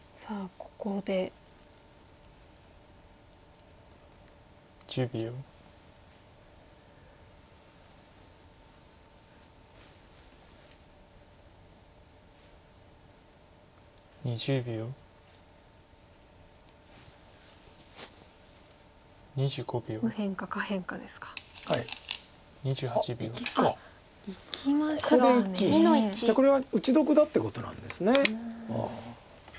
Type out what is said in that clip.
じゃあこれは打ち得だってことなんですね。